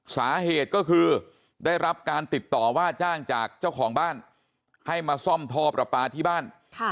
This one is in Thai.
สาเหตุก็คือได้รับการติดต่อว่าจ้างจากเจ้าของบ้านให้มาซ่อมท่อประปาที่บ้าน